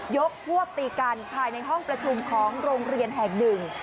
ยกพวกตีกันภายในห้องประชุมของโรงเรียนแห่งหนึ่ง